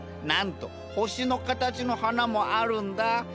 なんと星の形の花もあるんだ。